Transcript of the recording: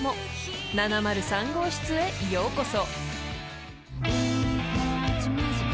［７０３号室へようこそ］